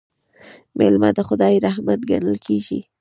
میلمه د خدای رحمت ګڼل کیږي.